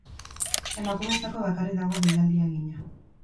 Emakumeentzako bakarrik dago deialdia egina.